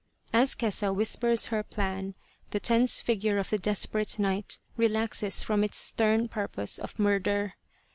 As Kesa whispers her plan the tense figure of the desperate knight relaxes from its stern purpose of murder.